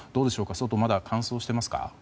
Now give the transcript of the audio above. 外はまだ乾燥していますか？